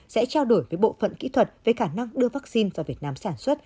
sẽ trao đổi với bộ phận kỹ thuật về khả năng đưa vắc xin vào việt nam sản xuất